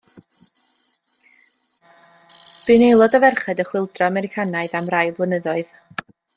Bu'n aelod o Ferched y Chwyldro Americanaidd am rai blynyddoedd.